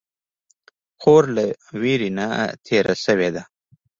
خور له ویرې نه تېره شوې ده.